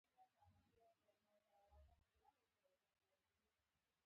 ټول هغه شیان چې ژوندي وي پر هغوی مهربان اوسه.